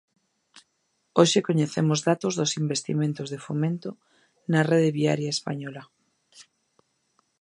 Hoxe coñecemos datos dos investimentos de Fomento na rede viaria española.